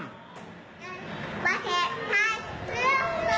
ทุกอย่างเป็นชาติ